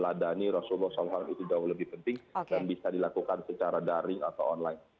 lebih dikentukan sejauh mana kita bisa meneladani rasulullah saw itu jauh lebih penting dan bisa dilakukan secara daring atau online